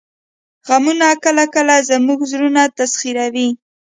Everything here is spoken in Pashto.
غمونه کله کله زموږ زړونه تسخیروي